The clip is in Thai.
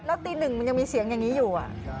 แล้วตีหนึ่งมันยังมีเสียงอย่างนี้อยู่